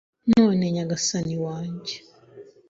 None Nyagasani wanjye